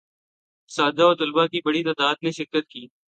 اساتذہ و طلباء کی بڑی تعداد نے شرکت کی